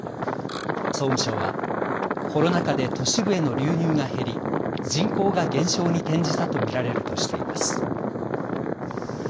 総務省は、コロナ禍で都市部への流入が減り人口が減少に転じたと見られるとしています。